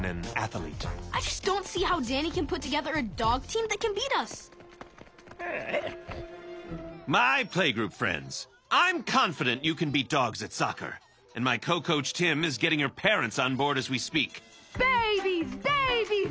ベイビーズ！